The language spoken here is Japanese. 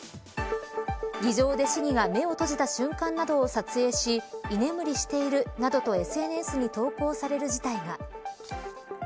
議場で市議が目を閉じた瞬間などを撮影し居眠りしているなどとＳＮＳに投稿される事態が。